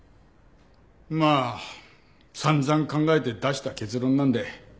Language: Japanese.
まあ散々考えて出した結論なんで。